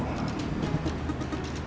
bisa menyingkirkan siapapun